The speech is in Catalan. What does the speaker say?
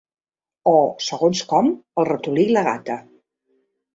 O, segons com, el ratolí i la gata.